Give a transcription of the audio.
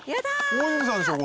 大泉さんでしょ